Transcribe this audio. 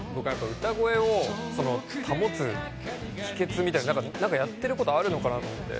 歌声を保つ秘訣みたいなのはやってることは何かあるのかなって。